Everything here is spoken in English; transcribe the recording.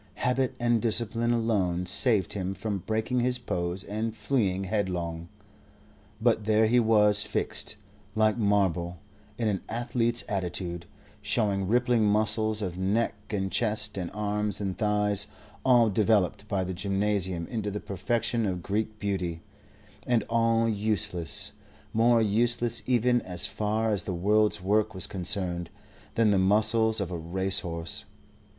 Habit and discipline alone saved him from breaking his pose and fleeing headlong. But there he was fixed, like marble, in an athlete's attitude, showing rippling muscles of neck and chest and arms and thighs all developed by the gymnasium into the perfection of Greek beauty, and all useless, more useless even, as far as the world's work was concerned, than the muscles of a racehorse.